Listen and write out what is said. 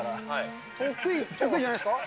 得意じゃないですか。